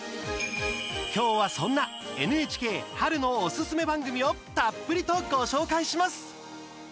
今日は、そんなＮＨＫ春のおすすめ番組をたっぷりとご紹介します。